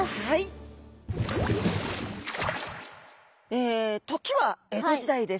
え時は江戸時代です。